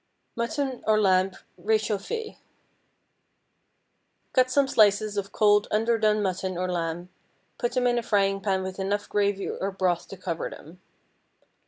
MUTTON OR LAMB RÉCHAUFFÉ. ✠ Cut some slices of cold underdone mutton or lamb; put them in a frying pan with enough gravy or broth to cover them.